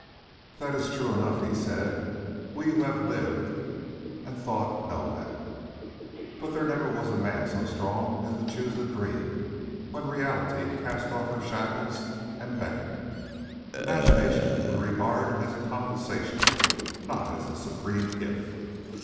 "That is true enough," he said. "We who have lived and thought know that. But there never was a man so strong as to choose the dream when Reality cast off her shackles and beckoned. Imagination we regard as a compensation, not as the supreme gift.